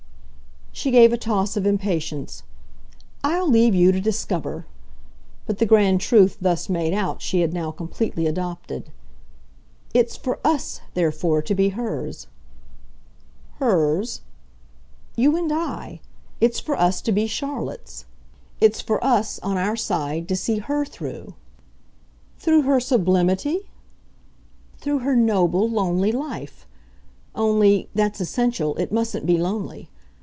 She gave a toss of impatience. "I'll leave you to discover!" But the grand truth thus made out she had now completely adopted. "It's for US, therefore, to be hers." "'Hers'?" "You and I. It's for us to be Charlotte's. It's for us, on our side, to see HER through." "Through her sublimity?" "Through her noble, lonely life. Only that's essential it mustn't be lonely.